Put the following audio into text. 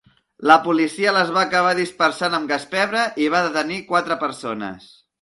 La policia les va acabar dispersant amb gas pebre i va detenir quatre persones.